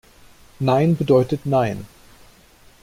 Nein bedeutet nein.